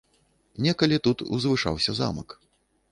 Некалі тут узвышаўся замак.